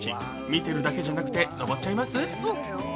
見てるだけじゃなくて登っちゃいます？